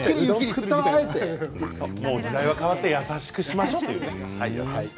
時代は変わって優しくしましょう。